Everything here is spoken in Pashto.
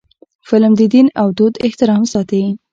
فلم د دین او دود احترام ساتي